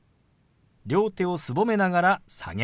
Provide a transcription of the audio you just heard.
両手をすぼめながら下げます。